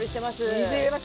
水入れます。